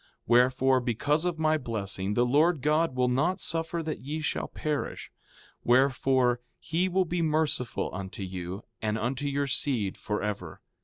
4:7 Wherefore, because of my blessing the Lord God will not suffer that ye shall perish; wherefore, he will be merciful unto you and unto your seed forever.